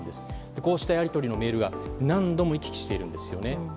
こうしたやり取りのメールが何度も行き来しているんですよね。